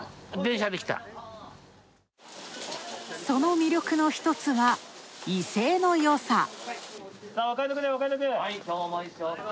その魅力の一つが、威勢のよさ。